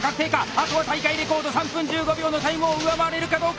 あとは大会レコード３分１５秒のタイムを上回れるかどうか。